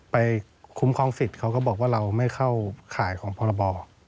คุ้มครองสิทธิ์เขาก็บอกว่าเราไม่เข้าข่ายของพรบ